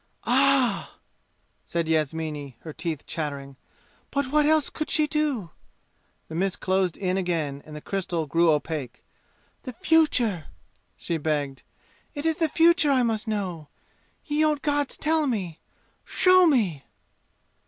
"Ah!" said Yasmini, her teeth chattering. "But what else could she do?" The mist closed in again and the crystal grew opaque. "The future!" she begged. "It is the future I must know! Ye old gods, tell me! Show me!"